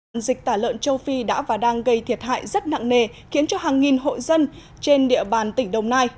bệnh dịch tả lợn châu phi đã và đang gây thiệt hại rất nặng nề khiến cho hàng nghìn hộ dân trên địa bàn tỉnh đồng nai